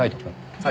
はい。